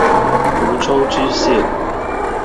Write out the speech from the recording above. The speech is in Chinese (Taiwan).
蘆洲支線